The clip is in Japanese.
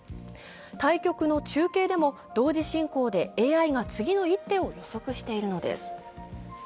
対局の中継でも同時進行で、ＡＩが次の一手を予測しているのです。